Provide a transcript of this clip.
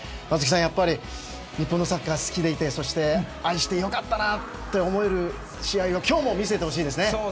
松木さん、やっぱり日本のサッカーを好きでいてそして愛して良かったなと思える試合を今日も見せてほしいですね。